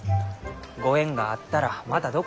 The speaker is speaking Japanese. ご縁があったらまたどっかで。